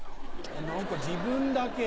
何か自分だけ。